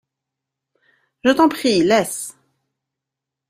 Je t'en prie, laisse.